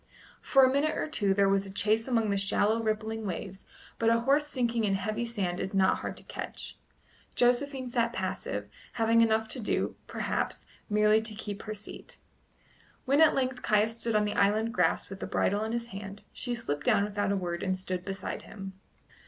For a minute or two there was a chase among the shallow, rippling waves, but a horse sinking in heavy sand is not hard to catch. Josephine sat passive, having enough to do, perhaps, merely to keep her seat. When at length Caius stood on the island grass with the bridle in his hand, she slipped down without a word and stood beside him.